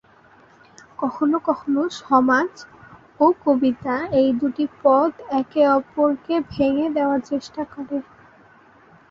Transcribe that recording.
কখনো কখনো "সমাজ" ও "কবিতা" এ দুটো পদ এক অপরকে ভেঙে দেয়ার চেষ্টা করে।